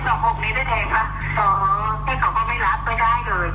ตามเลขมงคลของเรานะ